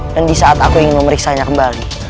dan di saat aku ingin memeriksa